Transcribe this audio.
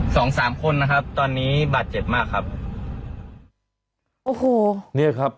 สองสามคนนะครับตอนนี้บาดเจ็บมากครับโอ้โหเนี้ยครับ